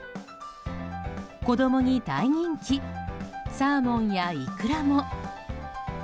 子供に大人気サーモンやイクラも。